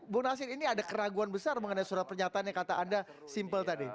bu nasir ini ada keraguan besar mengenai surat pernyataan yang kata anda simpel tadi